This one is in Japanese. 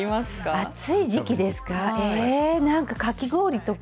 暑い時期ですか。